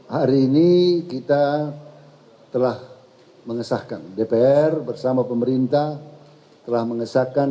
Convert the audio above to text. hari ini kita telah mengesahkan dpr bersama pemerintah telah mengesahkan